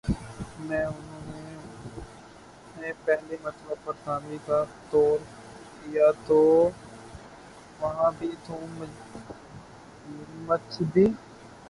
میں انہو نہ پہلی مرتبہ برطانوی کا ٹور کیا تو وہاں بھی دھوم مچ دی